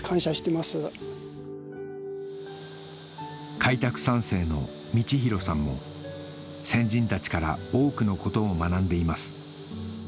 開拓三世の道寛さんも先人たちから多くのことを学んでいます